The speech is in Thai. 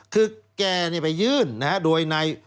คือแกไปยื่นนะฮะโดยใน